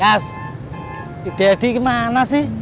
mas dedy kemana sih